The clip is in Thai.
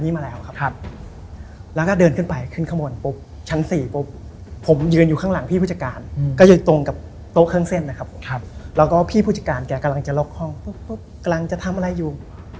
มีทูกหนึ่งดอกจุดอยู่